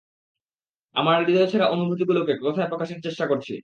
আমার হৃদয়ছেঁড়া অনুভূতিগুলোকে কথায় প্রকাশের চেষ্টা করছি।